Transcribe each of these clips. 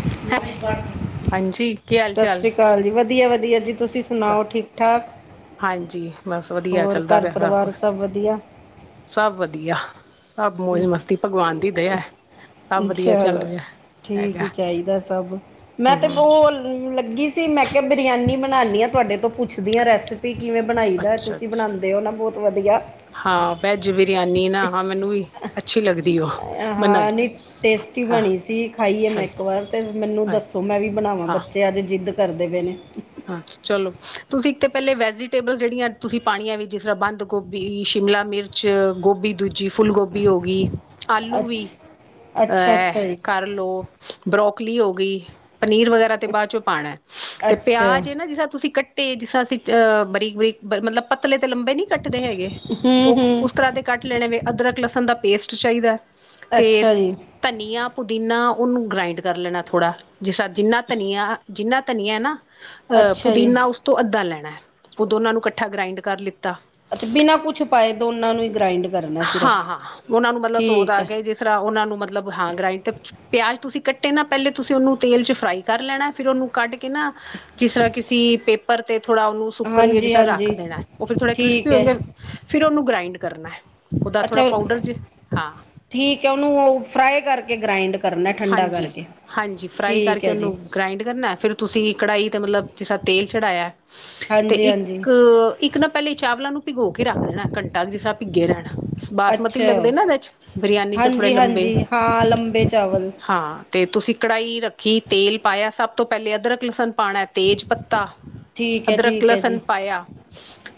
ਸਤਿ ਹਾਂਜੀ ਕੀ ਹਾਲ ਚਾਲ ਸ੍ਰੀ ਅਕਾਲ ਜੀ, ਵਧੀਆ- ਵਧੀਆ ਜੀ ਤੁਸੀ ਸੁ ਸੁਣਾਓ ਠੀਕ-ਠਾਕ। ਹਾਂਜੀ ਬਸ ਵਧੀਆ ਹੋਰ ਚੱਲਦਾ ਘਰ ਪਿਆ ਪਰਿਵਾਰ ਕੁਛ ਸਭ ਵਧੀਆ। ਸਭ ਵਧੀਆ ਸਭ ਮੌਜ ਮਸਤੀ ਭਗਵਾਨ ਦੀ ਦਇਆ ਹੈ। ਸਭ ਵਧੀਆ ਚੱਲ ਚਲੋ ਰਿਹਾ ਠੀਕ ਹੈਗਾ ਈ ਚਾਹੀਦਾ ਸਭ ਮੈ ਤੇ ਹਮ ਬੋਲ ਲੱਗੀ ਸੀ ਮੈ ਕਿਹਾ ਬਿਰਿਆਨੀ ਬਣਾਣੀ ਆ ਤੁਆਡੇ ਤੋ ਪੁੱਛਦੀ ਆ ਰੈਸਪੀ ਵੀ ਕਿਵੇ ਬਣਾਈ ਦਾ, ਅੱਛਾ ਤੁਸੀ ਬਣਾਦੇ ਹੋ ਨਾ ਬੋਤ ਵਧੀਆ। ਹਾਂ ਵੈਜ ਬਿਰਿਆਨੀ ਨਾ ਹਾਂ ਮੈਨੂੰ ਵੀ ਅੱਛੀ ਲੱਗਦੀ ਓ ਬਣਾਏ ਹਾਂ ਨਹੀਂ ਟੇਸਟੀ ਬਣੀ ਸੀ। ਖਾਈ ਆ ਮੈ ਏਕ ਵਾਰ ਤੇ ਮੈਨੂੰ ਹਾਂ ਦੱਸੋ ਮੈ ਵੀ ਬਣਾਵਾਂ ਹਾਂ ਬੱਚੇ ਅਆਜ ਜਿਦ ਕਰਦੇ ਪਏ ਨੇ ਹਾਂ ਚਲੋ ਤੁਸੀ ਇਕ ਤੇ ਪੈਲੇ ਵੈਜੀਟੇਬਲ ਜਿੜੀਆਂ ਤੁਸੀ ਪਾਣੀਆਂ ਵੀ ਜਿਸ ਰ੍ਹਾਂ ਬੰਦ ਗੋਭੀ, ਸ਼ਿਮਲਾ ਮਿਰਚ 'ਚ ਗੋਭੀ ਦੂਜੀ ਫੁੱਲ ਗੋਭੀ ਹੋ ਗਈ ਆਲੂ ਵੀ ਅੱਛਾ ਅੱਛਾ ਅਹ ਅੱਛਾ ਜੀ ਘਰ ਲੋ ਬਰੋਕਲੀ ਹੋ ਗਈ ਪਨੀਰ ਵਗੈਰਾ ਤੇ ਬਾਅਦ ਚੋ ਪਾਣੇ ਅੱਛਾ ਪਿਆਜ ਏ ਨਾ ਜਿਸਰਾ ਤੁਸੀ ਕੱਟੇ ਜਿਸਰਾ ਅਸੀ ਬਰੀਕ, ਬਰੀਕ ਮਤਲਬ ਪਤਲੇ ਤੇ ਲੰਬੇ ਨਈ ਕੱਟਦੇ ਹੈਗੇ ਹੂੰ ਓ ਹੂੰ ਉਸ ਤਰ੍ਹਾਂ ਦੇ ਕੱਟ ਲੈਣੇ ਨੇ ਅਦਰਕ ਲਸਣ ਦਾ ਪੇਸਟ ਚਾਈਦਾ ਤੇ ਅੱਛਾ ਜੀ ਧਨੀਆ, ਪੁਦੀਨਾ ਉਨੂੰ ਗਰਾਇੰਡ ਕਰ ਲੈਣਾ ਥੋੜ੍ਹਾ ਜਿਸ ਰਾਂ ਜਿੰਨਾ ਧਨੀਆ, ਜਿੰਨਾ ਧਨੀਆ ਐ ਨਾ ਅਹ ਅੱਛਾ ਜੀ ਪੁਦੀਨਾ ਉਸ ਤੋਂ ਅੱਧਾ ਲੈਣਾ ਏ ਓ ਦੋਨਾ ਨੂੰ ਕੱਠਾ ਗ੍ਰਾਇੰਡ ਕਰ ਲਿੱਤਾ ਅਛਾ ਬਿਨਾ ਕੁਛ ਪਾਏ ਦੋਨਾ ਨੂੰ ਈ ਗ੍ਰਾਇੰਡ ਕਰਨੈ ਹਾਂ- ਹਾਂ ਓਨਾਂ ਨੂੰ ਮਤਲਬ ਧੋ ਧਾ ਕੇ ਜਿਸ ਰ੍ਹਾਂ ਓਨਾ ਨੂੰ ਮਤਲਬ ਹਾਂ ਗਰਾਈਂਡ ਤੇ ਪਿਆਜ ਤੁਸੀ ਕੱਟੇ ਨਾ ਪੈਲੇ ਤੁਸੀ ਉਨੂੰ ਤੇਲ 'ਚ ਫਰਾਈ ਕਰ ਲੈਣਾ ਏ ਫਿਰ ਉਨੂੰ ਕੱਢ ਕੇ ਨਾ ਜਿਸਰ੍ਹਾ ਕਿਸੀ ਪੇਪਰ ਤੇ ਥੋੜਾ ਉਨੂੰ ਸੁੱਕਣ ਲਈ ਹਾਂਜੀ ਜ ਰੱਖ ਹਾਂਜੀ ਦੇਣਾ ਓ ਫਿਰ ਥੋੜੇ ਕ੍ਰਿਸਪੀ ਠੀਕ ਹੈ ਹੋਣਗੇ ਫਿਰ ਉਨੂੰ ਗ੍ਰਾਇੰਡ ਕਰਨਾ ਏ ਓਦਾ ਅੱਛਾ ਥੋੜ੍ਹਾ ਪਾਊਡਰ ਜੇ ਹਾਂ। ਠੀਕ ਐ ਉਨੂੰ ਓ ਫਰਾਈ ਕਰਕੇ ਗ੍ਰਇੰਡ ਕਰਨੈ ਠੰਡਾ ਕਰਕੇ ਠੀਕ ਐ ਜੀ। ਗ੍ਰਾਈੰਡ ਕਰਨੈ ਫਿਰ ਤੁਸੀ ਕੜਾਈ 'ਤੇ ਮਤਲਬ ਜਿਸਦਾ ਤੇਲ ਚੜ੍ਹਾਇਆ ਤੇ ਹਾਂਜੀ ਇਕ ਹਾਂਜੀ ਇਕ ਨਾ ਪੈਲੇ ਚਾਵਲਾਂ ਨੂੰ ਭਿਗੋ ਕੇ ਰੱਖ ਦੇਣਾ ਘੰਟਾ ਜਿਸ ਤਰ੍ਹਾਂ ਭਿਗੇ ਰੈਣ। ਬਾਸਮਤੀ ਅੱਛਾ ਲੱਗਦੇ ਨਾ ਏਦੇ 'ਚ ਬਰਿਆਨੀ ਚ ਥੋੜ੍ਹੇ ਹਾਂਜੀ ਲੰਬੇ। ਹਾਂਜੀ ਹਾਂ, ਲੰਬੇ ਚਾਵਲ ਹਾਂ, ਤੇ ਤੁਸੀਂ ਕੜਾਈ ਰੱਖੀ ਤੇਲ ਪਾਇਆ ਸਭ ਤੋਂ ਪੈਲੇ ਅਦਰਕ, ਲਸਣ ਪਾਣਾ ਏ ਤੇਜ ਪੱਤਾ। ਠੀਕ ਹੈ ਅਦਰਕ, ਠੀਕ ਹੈ ਲਸਣ ਜੀ ਪਾਇਆ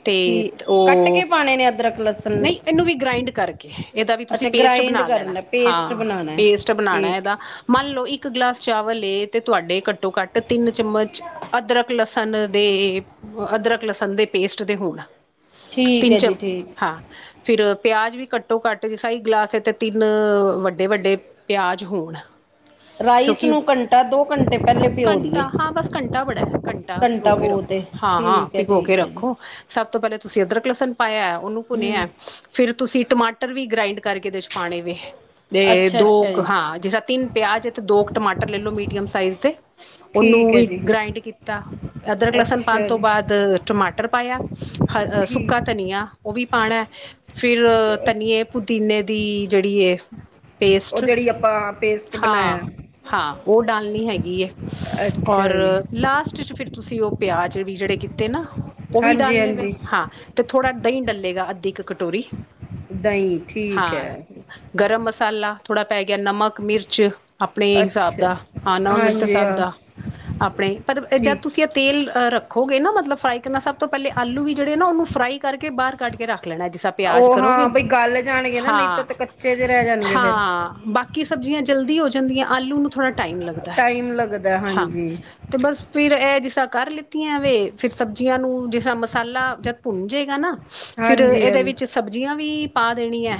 ਤੇ ਠੀਕ ਓ ਕੱਟ ਕੇ ਪਾਣੇ ਨੇ ਅਦਰਕ ਲਸਣ ਨਈ। ਏਨੂੰ ਵੀ ਗਰਾਇੰਡ ਕਰਕੇ ਇਦਾ ਵੀ ਤੁਸੀਂ ਅੱਛਾ ਪੇਸਟ ਗ੍ਰਾਇੰਡ ਬਣਾ ਲੈਣਾ ਕਰਨਾ ਹਾਂ ਪੇਸਟ ਬਣਾਉਣਾ ਪੇਸਟ ਬਣਾ ਖਾਣਾ ਠੀਕ ਏਦਾ ਮੰਨ ਲੋ ਇੱਕ ਗਲਾਸ ਚਾਵਲ ਲੇ ਤੇ ਤੁਆਡੇ ਘੱਟੋ ਘੱਟ ਤਿੰਨ ਚਮਚ ਅਦਰਕ, ਲਸਣ ਦੇ ਅਦਰਕ, ਲਸਣ ਦੇ ਪੇਸਟ ਦੇ ਹੋਣ। ਠੀਕ ਤਿੰਨ ਹੈ ਜੀ ਚਮ, ਠੀਕ ਹਾਂ। ਫਿਰ ਪਿਆਜ ਵੀ ਘਟੋ ਘੱਟ ਜੇ ਸਈ ਗਲਾਸ ਏ ਤੇ ਤਿੰਨ ਵੱਡੇ-ਵੱਡੇ ਪਿਆਜ਼ ਹੋਣ। ਹ। [inaudible] ਰਾਈਸ ਕਿਉਂਕਿ ਨੂੰ ਘੰਟਾ ਦੋ ਘੰਟੇ ਪਹਿਲੇ ਭਿਓ ਘੰਟਾ ਦੀਏ ਹਾਂ ਬਸ ਘੰਟਾ ਬੜਾ ਹੈ ਭਿਗੋ ਘੰਟਾ ਕੇ ਬੌਤ ਰੱਖੋ ਏ। ਹਾਂ, ਹਾਂ ਭਿਗੋ ਕੇ ਰੱਖੋ ਸਭ ਤੋਂ ਪੈਲੇ ਤੁਸੀਂ ਅਦਰਕ, ਲਸਨ ਪਾਇਐ ਓਨੂੰ ਹਮ ਭੁਨਿਐ। ਫਿਰ ਤੁਸੀਂ ਟਮਾਟਰ ਵੀ ਗਰਾਇੰਡ ਕਰਕੇ ਇਦੇ 'ਚ ਪਾਉਣੇ ਨੇ ਤੇ ਅੱਛਾ ਦੋ ਅੱਛਾ ਕੁ ਜੀ ਹਾਂ ਜਿਸਦਾ ਤਿੰਨ ਪਿਆਜ ਤੇ ਦੋ ਕੇ ਟਮਾਟਰ ਲੈ ਲੋ ਮੀਡੀਅਮ ਸਾਈਜ਼ ਦੇ। ਉਨੂੰ ਠੀਕ ਹੈ ਵੀ ਜੀ ਗ੍ਰਾਇੰਡ ਕੀਤਾ ਅਦਰਕ, ਲਸਣ ਪਾਣ ਅੱਛਾ ਤੋਂ ਜੀ ਬਾਅਦ ਟਮਾਟਰ ਪਾਇਆ। ਹਰ ਸੁੱਕਾ ਠੀਕ ਧਨੀਆ ਓ ਵੀ ਪਾਣੈ ਫਿਰ ਧਨੀਏ ਪੁਦੀਨੇ ਦੀ ਜੇੜੀ ਏ ਓ ਜੇੜੀ ਆਪਾਂ। ਪੇਸਟ ਹਾਂ, ਬਣਾਇਆ ਹਾਂ ਓ ਡਾਲਣੀ ਹੈਗੀ ਐ ਅੱਛਾ ਔਰ ਜੀ ਲਾਸਟ ਚ ਫਿਰ ਤੁਸੀਂ ਓ ਪਿਆਜ ਵੀ ਜੇੜੇ ਕੀਤੇ ਨਾ ਓ ਵੀ ਹਾਂਜੀ ਡਾਲ ਨੇ ਵੇ ਹਾਂਜੀ ਹਾਂ। ਤੇ ਥੋੜ੍ਹਾ ਦਹੀਂ ਡੱਲੇਗਾ ਅੱਧੀ ਕ ਕਟੋਰੀ ਦਹੀਂ ਠੀਕ ਹਾਂ। ਹੈ ਗਰਮ ਮਸਾਲਾ ਥੋੜ੍ਹਾ ਪੈ ਗਿਆ ਨਮਕ, ਮਿਰਚ। ਆਪਣੇ ਹਿਸਾਬ ਅੱਛਾ ਦਾ ਹਾਂ ਨਮਕ ਮਿਰਚ ਦੇ ਹਾਂਜੀ ਸਾਬ ਹਾਂ ਦਾ ਆਪਣੇ ਪਰ ਜਦ ਠੀਕ ਤੁਸੀਂ ਐਥ ਤੇਲ ਰੱਖੋਗੇ ਨਾ ਮਤਲਬ ਫਰਾਈ ਕਰਨਾ ਸਭ ਤੋਂ ਪੈਲੇ ਆਲੂ ਵੀ ਜੇੜੇ ਨਾ ਉਨੂੰ ਫਰਾਈ ਕਰਕੇ ਬਾਅਰ ਕੱਢ ਕੇ ਰੱਖ ਲੈਣਾ ਜਿਸ ਤਾ ਪਿਆਜ ਉਹ ਕਰੋਗੇ ਹਾਂ ਬਈ ਗਲ ਜਾਣਗੇ ਨਾ ਨਹੀਂ ਤਾਂ ਹਾਂ, ਤਾਂ ਕੱਚੇ ਜੇ ਰਹਿ ਜਾਣਗੇ ਫਿਰ ਹਾਂ। ਬਾਕੀ ਸਬਜ਼ੀਆਂ ਜਲਦੀ ਹੋ ਜਾਂਦੀਆਂ ਆਲੂ ਨੂੰ ਥੋੜ੍ਹਾ ਟਾਈਮ ਲੱਗਦੈ ਟਾਈਮ ਲੱਗਦਾ ਹਾਂ। ਹਾਂਜੀ ਅਤੇ ਬਸ ਫਿਰ ਇਹ ਜਿਸ ਤਰ੍ਹਾਂ ਕਰ ਲਿੱਤੀਆਂਵੇ ਫਿਰ ਸਬਜ਼ੀਆਂ ਨੂੰ ਜਿਸ ਤਰ੍ਹਾਂ ਮਸਾਲਾ ਜਦ ਭੁੰਨ ਜਾੇਗਾ ਨਾ। ਫਿਰ ਹਾਂਜੀ ਇਹਦੇ ਹਾਂਜੀ ਵਿੱਚ ਸਬਜ਼ੀਆਂ ਵੀ ਪਾ ਦੇਣੀ ਹੈ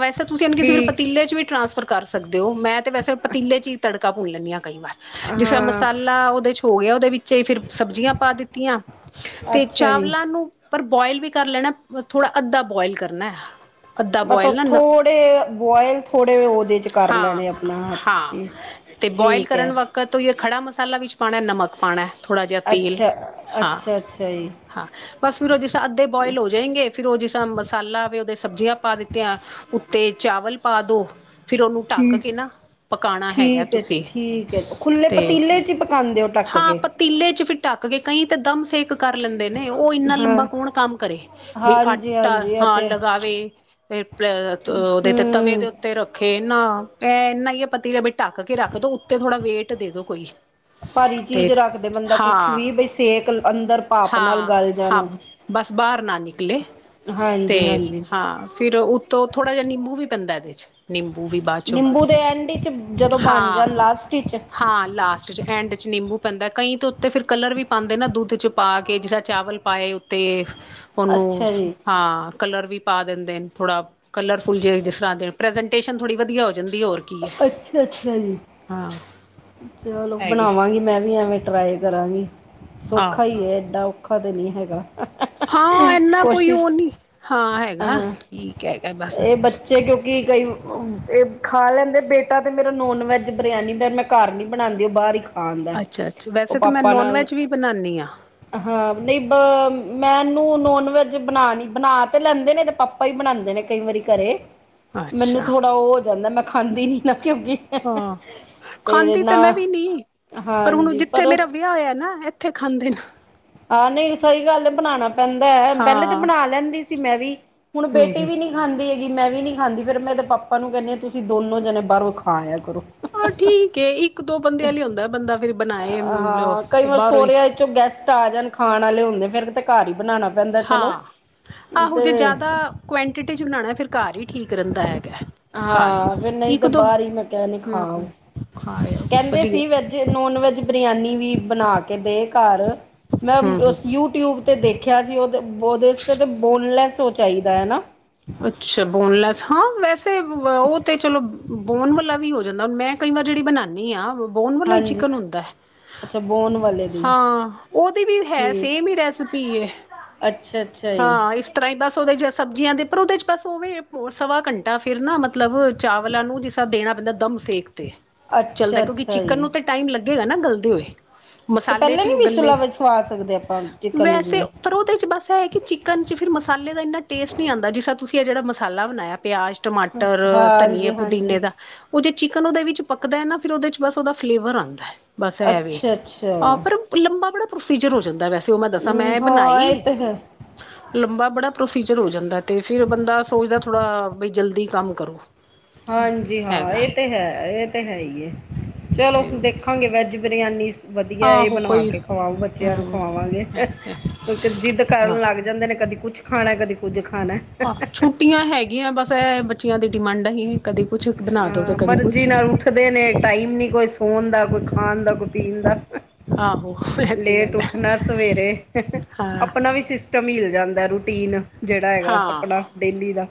ਵੈਸੇ ਤੁਸੀਂ ਕਿਸੇ ਫਿਰ ਠੀਕ ਪਤੀਲੇ ਚ ਵੀ ਟ੍ਰਾਂਸ। ਕਰ ਸਕਦੇ ਹੋ ਮੈਂ ਤੇ ਵੈਸੇ ਪਤੀਲੇ ਚ ਹੀ ਤੜਕਾ ਭੁੰਨ ਲੈਂਦੀ ਹਾਂ ਕਈ ਵਾਰ ਜਿਸ ਤਰ ਹਾਂ ਮਸਾਲਾ ਉਹਦੇ ਚ। ਧੋ ਗਿਆ ਉਹਦੇ ਵਿੱਚ ਫਿਰ ਸਬਜ਼ੀਆਂ ਪਾ ਦਿੱਤੀਆਂ ਤੇ ਅੱਛਾ ਜੀ ਚਾਵਲਾਂ ਨੂੰ। ਪਰ ਬੁਆਇਲ ਵੀ ਕਰ ਲੈਣਾ ਥੋੜ੍ਹਾ ਅੱਧਾ ਬੁਆਇਲ ਕਰਨਾ ਹਾ। ਮਤਲਬ ਥੋੜੇ ਬੋਇਲ ਥੋੜੇ ਉਹਦੇ ਚ। ਕਰ ਹਾਂ ਲੈਣੇ ਆਪਣਾ ਹਾਂ ਅੱਛੀ ਤੇ ਬੋਆਇਲ ਠੀਕ ਹੈ ਕਰਨ ਵਕ। ਪ ਧੋਈਏ ਖੜਾ ਮਸਾਲਾ ਵਿੱਚ ਪਾਣਾ ਨਮਕ ਪਾਣਾ ਹੈ। ਥੋੜਾ ਜਿਹਾ ਤੇਲ ਅੱਛਾ ਹਾਂ ਅੱਛਾ ਅੱਛਾ ਜੀ ਹਾਂ ਬਸ ਫਿਰ ਉਹ ਜ ਅੱਧੇ ਬੋਇਲ ਹੋ ਜਾਏਗੇ। ਫਿਰ ਉਹ ਜਿਸ ਸਾ ਮਸਾਲਾ ਆਵੇ ਉਹਦੇ ਸਬਜ਼ੀਆਂ ਪਾ ਦਿੱਤੀਆਂ ਉੱਤੇ ਚਾਵਲ ਪਾ ਦੋ। ਫਿਰ ਉਹਨੂੰ ਢੱਕ ਠੀਕ ਕੇ ਨਾ ਪਕਾਣਾ ਹੈਗਾ ਠੀਕ ਹੈ। ਤੁਸੀਂ ਠੀਕ ਹੈ। ਖੁੱਲੇ ਤੇ ਪਤੀਲੇ ਚ ਹੀ ਪਕਾਂ ਦੇ ਹੋ। ਢੱਕ ਹਾਂ ਕੇ। ਪਤੀਲੇ ਚ ਫੇਰ ਢੱਕ ਕੇ ਕਈ ਤੇ ਦਮ ਸੇਕ ਕਰ ਲੈਂਦੇ ਨੇ ਉਹ ਇੰਨਾ ਹਾਂ ਲੰਬਾ ਕੌਣ ਕੰਮ ਕਰੇ। ਬਈ ਹਾਂਜੀ ਆਟਾ ਹਾਂਜੀ ਇਹ ਹਾਂ ਤੇ ਲਗਾਵੇ ਫੇ ਉਹਦੇ ਤੇ ਤਵੇ ਹਮ ਦੇ ਉੱ। ਤੇ ਰੱਖੇ ਨਾ ਇਹ ਇਨਾ ਹੀ ਹੈ। ਪਤੀ ਲ ਢੱਕ ਕੇ ਰੱਖ ਦੋ ਉੱਤੇ ਥੋੜਾ ਵੇਟ ਦੇ ਦੋ ਕੋਈ। ਭਾਰੀ ਤੇ ਚੀਜ਼ ਰੱਖਦੇ ਬੰਦਾ ਹਾਂ ਕੁਛ ਵੀ ਬਈ ਸੇਕ ਅੰਦਰ ਭਾਪ ਨਾਲ ਹਾਂ ਗਲ ਹਾਂ ਜਾਣੋ। ਬਸ ਬਾਹਰ ਨਾ ਨਿਕਲੇ ਤੇ ਹਾਂਜੀ ਹਾਂਜੀ ਹਾਂ ਫਿਰ। ਤ ਉਹ ਥੋੜਾ ਜਿਹਾ ਨਿੰਬੂ ਵੀ ਪੈਂਦਾ ਇਹਦੇਚ। ਨਿੰਬੂ ਵੀ ਬਾਚੋ ਨਿੰਬੂ ਦੇ ਐਂਡ ਚ ਜਦੋਂ ਬਣ ਹਾਂ ਜਾਣ ਲਾਸਟ ਵਿੱਚ ਹਾਂ ਲਾਸਟ ਚ ਐਂਡ। ਨਿੰਬੂ ਪੈਂਦਾ ਕਈ ਤਾਂ ਉੱਤੇ ਫਿਰ ਕਲਰ ਵੀ ਪਾਂਦੇ ਨਾ ਦੁੱਧ ਚ ਪਾ ਕੇ ਜੇੜਾ ਚਾਵਲ ਪਾਏ ਉੱਤੇ। ਉਹਨੂੰ ਅੱਛਾ ਜੀ ਹਾਂ ਕਲਰ ਵੀ ਪਾ ਦਿੰਦੇ ਨੇ ਥੋੜਾ ਕਲਰਫੁਲ ਜੇ ਜਿਸ ਤਰ੍ਹਾਂ ਦੇ ਪ੍ਰਜੈਂਟ। ਟੇਸ਼ਨ ਥੋੜੀ ਵਧੀਆ ਹੋ ਜਾਂਦੀ ਹੋਰ। ਅੱਛਾ ਅੱਛਾ ਜੀ। ਹਾਂ। ਚਲੋ ਹੈਗੀ ਬਣਾਵਾਂਗੀ ਮੈਂ ਵੀ ਐਵੇਂ ਟਰਾਈ ਕਰਾਂਗੀ ਆਹ ਸੌਖਾ ਹੈ ਏਡਾਖ। ਔਖਾ ਤਾਂ ਨਹੀਂ ਹੈਗਾ। ਹਾਂ ਏਨਾ ਕੋਈ ਕੋਸ਼ਿਸ਼ ਉਹ ਨੀ ਹਾਂ ਹੈਗਾ ਅਹ ਠੀਕ ਹੈਗਾ ਬਸ। ਕੀ ਕਹਿਏ ਖਾ ਲੈਂਦੇ ਬੇਟਾ ਤਾਂ ਮੇਰਾ ਨੋਨ ਵੈੱਜ ਬਰਿਆਨੀ ਪਰ। ਮੈਂ ਘਰ ਨਹੀਂਬਣਾਂਦੀ ਉਹ ਬਾਹਰ ਹੀ ਖਾ ਆਂਦਾ ਅੱਛਾ ਅੱਛਾ ਉਹ ਵੈਸੇ ਤਾਂ ਮੈਂ ਪਾਪਾ ਨੋਨ ਨਾਲ। ਵੈਜ ਵੀ ਬਣਾਉਂਦੀ ਹਾਂ ਹਾਂ ਨਹੀਂ ਬ ਮੈਨੂੰ ਨੋਨ ਵੈਜ ਬਣਾਣੀ ਬਣਾ ਤੇ ਲੈਂਦੇ ਨੇ ਤੇ ਪਾਪਾ ਹੀ ਬਣਾਂਦੇ ਨੇ ਕਈ ਵਾਰੀ ਘਰੇ। ਮੈਨੂੰ ਅੱਛਾ ਥੋੜਾ ਉਹ ਹੋ ਜਾਂਦਾ। ਮੈਂ ਖਾਂਦੀ ਨਈ ਨਾ ਕਿਉਕਿ ਹਾਂ। ਖਾਂਦੀ ਤੇ ਮੈਂ ਵੀ ਨੀ ਪਰ ਹੁਣ ਹਾਂਜੀ ਜਿੱਥੇ ਪਰ ਮੇਰਾ ਵਿਆਹ ਹੋਇਆ ਨਾ। ਇੱਥੇ ਖਾਂਦੇ ਨੇ। ਆਹ ਨਹੀਂ ਸਹੀ ਗੱਲ ਬਣਾਣਾ ਪੈਂਦਾ ਹੈ। ਪਹਿਲੇ ਤਾਂ ਹਾਂ ਬਣਾ ਲੈਂਦੀ ਸੀ ਮੈਂ ਵੀ। ਹੁਣ ਹੂੰ ਬੇਟੀ ਹੂੰ ਵੀ ਨੀ। ਖਾਂਦੀ ਹੈ ਗੀ ਮੈਂ ਵੀ ਨੀ ਖਾਂਦੀ ਫੇਰ ਮੈ ਏ ਦੈ ਪਾਪਾ ਨੂੰ ਕੈਂਦੀ ਹਾਂ। ਤੁਸੀਂ ਦੋਨੋ ਜਣੇ ਬਾਹਰੋਂ ਖਾ ਆਇਆ ਕਰੋ। ਹਾਂ ਠੀਕ ਏ ਇੱਕ ਦੋ ਬੰਦੇਿਆਂ ਲ ਈ ਹੀ ਹੁੰਦਾ ਬੰਦਾ ਫਿਰ ਬਣਾਏ ਤੇ ਬਾਰੋਂ ਹੀ ਜੋ ਗੈਸਟ ਆ ਜਾਣ ਖਾਣ ਵਾਲੇ ਹੁੰਦੇ ਫੇਰ ਤੇ ਘਰ ਹੀ ਬਣਾਣਾ। ਹਾਂ ਆਹੋ ਜੇ ਜਾਦਾ ਕੁਆਂਟਿਟੀ 'ਚ ਬਣਾਣਾ ਫੇਰ ਘਰ ਹੀ ਠੀਕ ਰੈਂਦਾ ਹੈਗਾ। ਘਰ ਹਾਂ ਫੇਰ ਨਹੀਂ ਇੱਕ ਤੇ ਦੋ ਬਾਹਰ ਹੀ ਮੈਂ ਕਹਨੀ ਖਾ ਆਓ। ਹੂੰ ਖਾਇਆ ਕਹਿੰਦੇ ਵਧੀਆ ਸੀ ਨੋਨ ਵੈਜ ਬਰਿਆਨੀ ਵੀ ਬਣਾ ਕੇ ਦੇ ਘਰ। ਮੈਂ ਹੂੰ ਹੂੰ ਯੂ ਟਯੂਬ ਤੇ ਦੇਖਿਆ ਸੀ। ਉਹ ਉਹਦੇ ਇਚ ਤਾਂ ਬੋਨਲੈਸ ਉਹ ਚਾਈਦਾ ਹਨਾ। ਅੱਛਾ ਬੋਨਲੈਸ ਹਾਂ ਵੈਸੇ ਉਹ ਤੇ ਚਲੋ ਬੋਨ ਵਾਲਾ ਵੀ ਹੋ ਜਾਂਦਾ ਹੈ। ਮੈਂ ਕਈ ਵਾਰ ਜਿਹੜੀ ਬਣਾਣੀ ਆਂ ਬੋਨਵਾਲਾ ਈ ਹਾਂਜੀ ਚਿਕਨ ਹੁੰਦਾ ਐ। ਅੱਛਾ ਬੋਨ ਵਾਲੇ ਦੀ ਹਾਂ, ਉਹਦੀ ਵੀ ਹੈ ਠੀਕ ਸੇਮ ਈ ਰੈਸਪੀ ਐ। ਅੱਛਾ, ਅੱਛਾ ਜੀ। ਟਰਾਈ ਪਾਸ ਉਹਦੇ ਇਚ ਸਬਜ਼ੀਆਂ ਦੇ ਪਰ ਉਹਦੇ ਚ ਬਸ ਉਹਵੇ ਸਵਾ ਘੰਟਾ ਫੈਰ ਨਾ ਮਤਲਬ ਚਾਵਲਾਂ ਨੂੰ ਜਿਸ ਤਰਾਂ ਦੇਣਾ ਪੈਂਦਾ ਦਮ ਸੇਕ ਤੇ। ਚੱਲਦਾ ਅੱਛਾ ਕਿਉਂਕਿ ਅੱਛਾ ਚਿਕਨ ਜੀ ਨੂੰ ਤੇ ਟਾਈਮ ਲੱਗੇਗਾ ਨਾ ਗਲਦੇ ਹੋਏ। ਤੇ ਮਸਾਲੇ ਪਹਿਲਾਂ ਚ ਈ ਨੀ ਉਹ ਗੱਲੇ ਵਿਸਲਾ ਵਸਵਾ ਸਕਦੇ ਆਪਾਂ ਚਿਕਨ ਨੂੰ ਵੈਸੇ ਜਿਵੇਂ ਊਪਰੋ ਉਹਦੇ ਚ ਬਸ ਸਾ ਐ ਕਿ ਚਿਕਨ ਚ ਫਿਰ ਮਸਾਲੇ ਦਾ ਇੰਨਾ ਟੇਸਟ ਨੀਂ ਆਂਦਾ। ਜਿਸ ਤਰਾਂ ਤੁਸੀਂ ਇਹ ਜਿਹੜਾ ਮਸਾਲਾ ਬਣਾਇਆ। ਪਿਆਜ ਟਮਾਟਰ ਧਨੀਏ ਹਾਂਜੀ ਪੁਦੀਨੇ ਹਾਂਜੀ ਦਾ ਉਹ ਜੇ ਚਿਕਨ ਉਹਦੇ ਵਿੱਚ ਪੱਕਦਾ ਓ ਨਾ। ਫੇਰ ਉਹਦੇ ਚ ਬਸ ਉਹਦਾ ਫਲੇਵਰ ਆਂਦਾ ਐ। ਬਸ ਐ ਵੇ ਅੱਛਾ ਅੱਛਾ ਆਹ ਪਰ ਲੰਬਾ ਬੜਾ ਪ੍ਰੋਸੀਜਰ ਹੋ ਜਾਂਦਾ। ਵੈਸੇ ਉਹ ਮੈਂ ਦੱਸਾਂ। ਹਮ ਮੈਂ ਹਾਂ ਬਣਾਈ ਇਹ ਤੇ ਹੈ ਲੰਬਾ ਬੜਾ ਪ੍ਰੋਸੀਜਰ ਹੋ ਜਾਂਦਾ। ਤੇ ਫੈਰ ਬੰਦਾ ਸੋਚਦਾ ਥੋੜਾ ਬਈ ਜਲਦੀ ਕੰਮ ਕਰੋ। ਹਾਂਜੀ, ਹਾਂ ਹੈਗਾ ਇਹ ਤੇ ਹੈ, ਇਹ ਤੇ ਹੈ ਈ ਏ। ਚਲੋ ਤੇ ਦੇਖਾਂਗੇ ਵੈਜ ਬਿਰਯਾਨੀਸ ਵਧੀਆ ਇਹ ਆਹੋ ਬਣਾਵਾ ਕੋਈ ਕੇ ਖਵਾਓ ਬੱਚਿਆਂ ਨੂੰ ਹੂੰ ਖਵਾਵਾਂਗੇ। ਹੈ ਤੇ ਜਿੱਦ ਹਾਂ। ਕਰਨ ਲੱਗ ਜਾ ਏਨਾ ਨੇ ਕਦੀ ਕੁਛ ਖਾਣਾ, ਕਦੀ ਕੁੱਝ ਖਾਣਾ। ਆ ਛੁੱਟੀਆਂ ਹੈਗੀਆਂ ਬਸ ਇਹ ਬੱਚਿਆਂ ਦੀ ਡਿਮਾਂਡਾਂ ਹੀ ਕਦੇ ਕੁਛ ਬਣਾ ਦੋ ਤੇ ਹਾਂ, ਕਦੇ ਮਰਜ਼ੀ ਕੁਛ ਨਾਲ ਉੱਠਦੇ ਨੇ ਟਾਈਮ ਨ੍ਹੀਂ ਕੋਈ ਸੌਣ ਦਾ, ਕੋਈ ਖਾਣ ਦਾ, ਕੋਈ ਪੀਣ ਦਾ। ਆਹੋ। ਇਹ ਤੇ ਲੇਟ ਗੱਲ ਹੈ ਉੱਠਣਾ ਸਵੇਰੇ, ਹਾਂ। ਆਪਣਾ ਵੀ ਸਿਸਟਮ ਹਿਲ ਜਾਂਦਾ। ਰੂਟੀਨ ਜਿਹੜਾ ਹੈਗਾ ਹਾਂ ਸਪਡਾ ਡੇਲੀ ਦਾ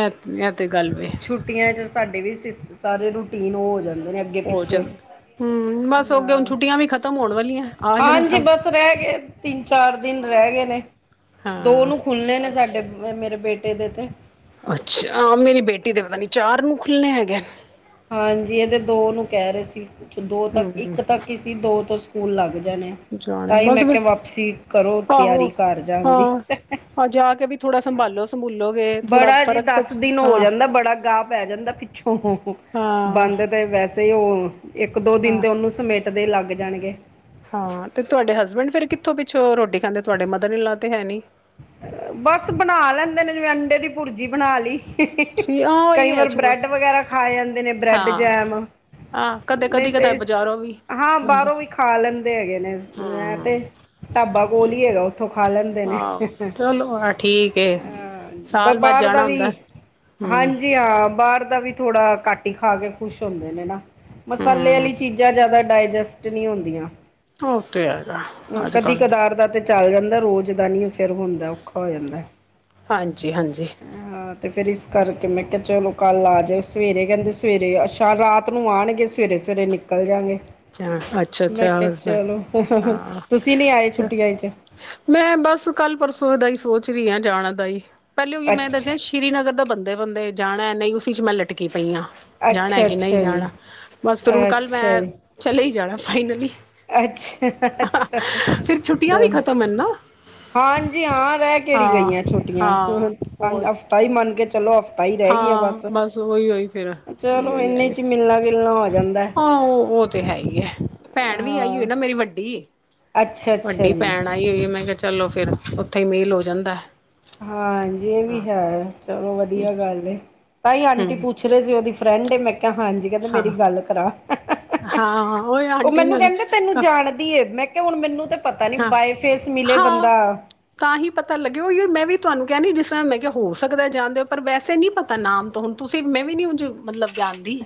ਇਹ ਇਹ ਤੇ ਗੱਲ ਵੇ ਛੁ ਛੁਟੀਆਂ ਚ ਸਾਡੇ ਵੀ ਸਿਸ ਸਾਰੇ ਰੂਟੀਨ ਉਹ ਹੋ ਜਾਂਦੇ ਨੇ। ਅੱਗੇ ਹੋ ਪਿੱਛੇ ਚੱਲ ਹਂ, ਬਸ ਅੱਗੇ ਹੁਣ ਹਾਂ ਛੁੱਟੀਆਂ ਵੀ ਖਤਮ ਹੋਣ ਵਾਲੀ ਹਾਂਜੀ, ਬਸ ਰਹਿ ਗਏ, ਤਿੰਨ-ਚਾਰ ਦਿਨ ਰਹਿ ਗਏ ਨੇ। ਦੋ ਹਾਂ। ਨੂੰ ਖੁੱਲਣੇ ਨੇ ਸਾਡੇ ਮੇਰੇ ਬੇਟੇ ਦੇ ਤੇ। ਅੱਛਾ ਆਹ ਮੇਰੀ ਬੇਟੀ ਦੇ ਪਤਾ ਨ੍ਹੀਂ ਚਾਰ ਨੂੰ ਖੁੱਲਨੇ ਹੈਗੇ। ਹਾਂਜੀ ਇਹਦੇ ਦੋ ਨੂੰ ਕਹਿ ਰਹੇ ਸੀ, ਦੋ ਤੱਕ ਹੂੰ। ਇੱਕ ਤੱਕ ਈ ਸੀ ਦੋ ਤੋਂ ਸਕੂਲ ਲੱਗ ਜਾਣੇ। ਜਾਣੇ ਤਾਂ ਈ ਬਸ ਮੈਂ ਫਿਰ ਕਿਹਾ, ਵਾਪਸੀ ਕਰੋ ਆਹੋ ਤਿਆਰੀ ਘਰ ਜਾਣ ਹਾਂ ਦੀ। ਜਾ ਕੇ ਵੀ ਥੋੜਾ ਸੰਭਾਲੋ। ਭੂਲੋਗੇ। ਬੜਾ ਜੀ, ਦਸ ਦਿਨ ਹੋ ਜਾਂਦਾ ਬੜਾ ਗਾਹ ਪੈ ਜਾਂਦਾ ਪਿੱਛੋਂ। [unintelligible] ਹਾਂ ਬੰਦ ਤੇ ਵੈਸੇ ਉਹ ਇੱਕ-ਦੋ ਦਿਨ ਹਾਂ ਤੇ ਉਹਨੂੰ ਸਮੇਟਦੇ ਲੱਗ ਜਾਣਗੇ। ਹਾਂ ਤੇ ਤੁਹਾਡੇ ਹਸਬੈਂਡ ਫੇਰ ਕਿੱਥੋਂ ਪਿੱਛੋਂ ਰੋਟੀ ਖਾਂਦੇ? ਤੁਹਾਡੇ ਮਦਰ ਇਨ ਲਾ ਤੇ ਹੈ ਨੀ। ਬਸ ਬਣਾ ਲੈਂਦੇ ਨੇ ਜਿਵੇਂ ਅੰਡੇ ਦੀ ਭੁਰਜੀ ਬਣਾ ਲਈ। ਸੀ ਆਹ ਕਈ ਉਹੀ ਹੈ ਵਾਰ ਛੋੜ ਬ੍ਰੈਡ ਵਗੈਰਾ ਖਾ ਜਾਂਦੇ ਨੇ, ਬਰੈਡ ਹਾਂ ਜੈਮ। ਆਹ ਕਦੇ ਨਈਂ ਕਦੀ ਤੇ ਕਦਾ ਬਾਜ਼ਾਰੋਂ ਵੀ ਹਾਂ ਬੰਦਾ ਬਾਹਰੋਂ ਵੀ ਖਾ ਲੈਂਦੇ ਹੈਗੇ ਨੇ, ਇਹ ਹਮ ਤੇ ਢਾਬਾ ਕੋਲੀ ਏਗਾ ਉੱਥੋਂ ਖਾ ਲੈਂਦੇ ਨੇ। ਆਹੋ ਚਲੋ ਆਹ ਠੀਕ ਏ ਹਾਂਜੀ ਸਾਲ ਬਾਅਦ ਬਾਹਰ ਦਾ ਜਾਣਾ ਵੀ ਹੁੰਦਾ। ਹਮ ਹਾਂਜੀ ਹਾਂ, ਬਾਹਰ ਦਾ ਵੀ ਥੋੜਾ ਘੱਟ ਈ ਖਾ ਕੇ ਖੁਸ਼ ਹੁੰਦੇ ਨੇ ਨਾ। ਮਸਾਲੇ ਹਮ ਆਲੀ ਚੀਜ਼ਾਂ ਜਿਆਦਾ ਡਾਇਜਸਟ ਨ੍ਹੀਂ ਹੁੰਦੀਆਂ। ਓ ਤੇ ਹੈਗਾ, ਕਦੀ ਅਜ-ਕਲ। ਕਦਾਰ ਦਾ ਤੇ ਚੱਲ ਜਾਂਦਾ ਰੋਜ਼ ਦਾ ਨੀ ਫਿਰ ਹੁੰਦਾ, ਔਖਾ ਹੋ ਜਾਂਦਾ। ਹਾਂਜੀ ਹਾਂਜੀ ਹਾਂ ਤੇ ਫਿਰ ਇਸ ਕਰਕੇ ਮੈਂ ਕਿਹਾ ਚਲੋ ਕੱਲ ਆ ਜਾਓ ਸਵੇਰੇ, ਕਹਿੰਦੇ ਸਵੇਰੇ ਅੱਛਾ ਰਾਤ ਨੂੰ ਆਣਗੇ। ਸਵੇਰੇ-ਸਵੇਰੇ ਨਿਕਲ ਜਾਂਗੇ ਅੱਛਾ ਅੱਛਾ ਮੈਂ ਅੱਛਾ ਕਿਹਾ ਹਸਬੈਂਡ ਚਲੋ ਹਾਂ ਤੁਸੀਂ ਨ੍ਹੀਂ ਆਏ ਛੁੱਟੀਆਂ ਇਚ? ਮੈਂ ਬਸ ਕੱਲ ਪਰਸੋਂ ਇਹਦਾ ਹੀ ਸੋਚ ਰਹੀ ਹਾਂ ਜਾਣ ਦਾ ਹੀ, ਪਹਿਲੇ ਉਹੀ ਮੈਂ ਦੱਸਿਆ। ਅੱਛਾ ਸ੍ਰੀਨਗਰ ਦਾ ਬੰਦੇ ਬੰਦੇ ਜਾਣਾ ਨਹੀਂ ਉਸ ਚ ਮੈਂ ਲਟਕੀ ਪਈ ਹਾਂ। ਜਾਣਾ ਅੱਛਾ ਕਿ ਨਹੀਂ ਅੱਛਾ ਜੀ ਜਾਣਾ ਬਸ ਫਿਰ ਹੁਣ ਕੱਲ ਅੱਛਾ ਮੈਂ ਜੀ ਚਲੇ ਹੀ ਜਾਣਾ ਫਾਈਨਲੀ। ਅੱਛਾ ਅੱਛਾ ਅੱਛਾ ਫਿਰ ਛੁੱਟੀਆਂ ਵੀ ਚਲ। ਖਤਮ ਹਨ ਨਾ ਹਾਂਜੀ ਹਾਂ ਰਹਿ ਕੇੜੀ ਹਾਂ ਗਈਆਂ ਛੋਟੀਆਂ ਹਾਂ ਹੁਣ ਹੋਰ ਹਫਤਾ ਹੀ ਮੰਨ ਕੇ ਚਲੋ ਹਫ। ਪਤਾ ਹੀ ਰਹਿ ਗਈ ਆ ਹਾਂ ਬਸ ਉਹੀ ਉਹੀ ਫਿਰ ਚਲੋ ਇਨੇ ਚ ਮਿਲਣਾ ਗਲਣਾ ਹੋ ਜਾਂਦਾ। ਹ ਉਹ ਤੇ ਹੈ ਹੀ ਹੈ ਭੈਣ ਵੀ ਆਈ ਹੋਈ ਹਾਂ ਨਾ ਮੇਰੀ ਵੱਡੀ ਅੱਛਾ ਅੱਛਾ ਵੱਡੀ ਜੀ ਭੈਣ ਆਈ। ਹੋਈ ਮੈਂ ਕਿਹਾ ਚਲੋ ਫਿਰ ਉੱਥੇ ਹੀ ਮੀਂਲ ਲੋ ਜਾਂਦਾ। ਹਾਂਜੀ ਇਹ ਵੀ ਹਾਂ ਹੈ ਚਲੋ ਵਧੀਆ ਗੱਲ ਹੈ, ਤਾਂ ਹੀ ਹਮ ਆਂਟੀ ਪੁ। ਪੁਛ ਰਹੇ ਸੀ ਉਹਦੀ ਫਰੈਂਡ ਏ ਮੈਂ ਕਿਹਾ ਹਾਂਜੀ। ਕਹਿੰਦੇ ਹਾਂ ਮੇਰੀ ਗੱਲ ਕਰਾ ਹਾਂ ਉਹਹੀ ਉਹ ਆਂਟੀ ਮੈਨੂੰ ਨਾਲ ਕਹਿੰਦੇ ਤੈਨੂੰ ਜਾਣ। ਮੈਂ ਕਿਹਾ ਹੁਣ ਮੈਨੂੰ ਤਾਂ ਪਤਾ ਨੀ ਹਾਂ ਬਾਏ ਫੇਸ ਮਿਲੇ ਹਾਂ ਬੰਦਾ। ਤਾਂ ਹੀ ਪਤਾ ਲੱਗੇ ਉਹ ਹੀ। ਤੁਹਾਨੂੰ ਕਿਹਾ ਨੀ ਜਿਸ ਤਰ੍ਹਾਂ ਮੈਂ ਕਿਹਾ ਹੋ ਸਕਦਾ ਜਾਂਣਦੇ ਹੋ ਪਰ ਵੈਸੇ ਨੀ ਪਤਾ ਨਾਮ ਤਾਂ ਹੁਣ ਤੁਸੀਂ ਮੈਂ ਵੀ ਨੀ ਹ। ਮਤਲਬ ਜਾਣਦੀ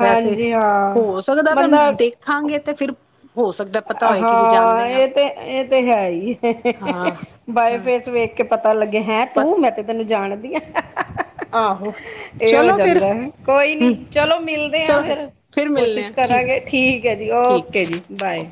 ਵੈਸੇ ਹਾਂਜੀ ਹਾਂ ਹੋ ਸਕਦਾ ਬੰਦਾ ਤੁਹਾਨੂੰ ਦੇਖ। ਖਾਂਗੇ ਤੇ ਫਿਰ ਹੋ ਸਕਦਾ। ਪਤਾ ਹੋਏ ਕਿ ਵੀ ਹਾਂ ਜਾਂਦੇ ਆ ਇਹ ਤੇ। ਇਹ ਤੇ ਹੈ ਹੀ। ਹਾਂ ਬਏ ਹਾਂ ਫੇਸ ਵੇਖ ਕੇ ਪਤਾ ਲੱਗੇ ਹੈਂ ਪ ਤੂੰ, ਮੈਂ ਤ। ਤੈਨੂੰ ਜਾਣਦੀ ਹੈ। ਆਹੋ। ਇਹ ਹੋ ਚਲੋ ਫਿਰ ਜਾਂਦਾ ਹੈ। ਕੋਈ ਨੀ, ਹਮ ਚਲੋ ਮਿਲਦੇ ਹਾਂ ਫਿਰ ਕੋਸ਼ਿਸ਼ ਕਰਾਂਗੇ ਠੀਕ ਹੈ ਜੀ, ਓਕੇ। ਠੀਕ ਓਕੇ ਜੀ। ਬਾਏ।